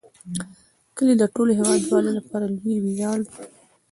کلي د ټولو هیوادوالو لپاره لوی ویاړ دی.